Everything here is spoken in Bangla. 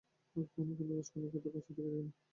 আগে কখনো কোন রাজকন্যাকে এত কাছ থেকে দেখিনি।